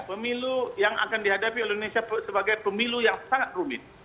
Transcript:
pemilu yang akan dihadapi oleh indonesia sebagai pemilu yang sangat rumit